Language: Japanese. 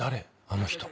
あの人。